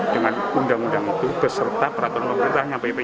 dengan undang undang itu beserta peraturan pemerintahnya bpp